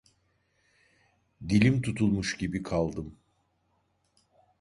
Dilim tutulmuş gibi kaldım.